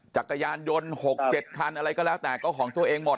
จักรยานยนต์๖๗คันอะไรก็แล้วแต่ก็ของตัวเองหมด